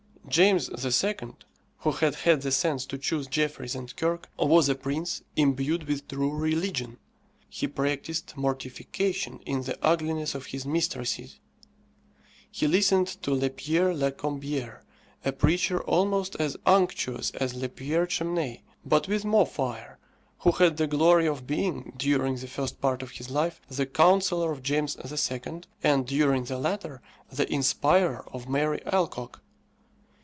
James II., who had had the sense to choose Jeffreys and Kirke, was a prince imbued with true religion; he practised mortification in the ugliness of his mistresses; he listened to le Père la Colombière, a preacher almost as unctuous as le Père Cheminais, but with more fire, who had the glory of being, during the first part of his life, the counsellor of James II., and, during the latter, the inspirer of Mary Alcock.